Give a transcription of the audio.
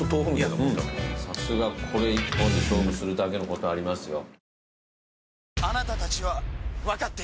さすがこれ一本で勝負するだけのことありますよ。